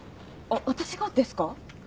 あっ私がですか？